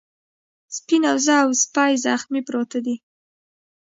سپينه وزه او سپی زخمي پراته دي.